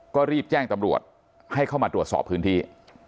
ก็รีบแจ้งตำรวจให้เข้ามาตรวจสอบพื้นที่